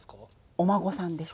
お孫さんでした。